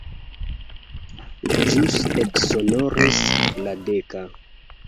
Ĵus eksonoris la deka.